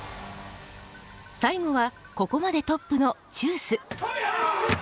最後はここまでトップのチュース。